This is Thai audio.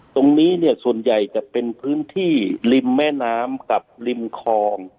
ตรงนี้เนี่ยส่วนใหญ่จะเป็นพื้นที่ริมแม่น้ำกับริมคลอง